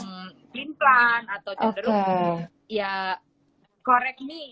cenderung implant atau cenderung ya correct me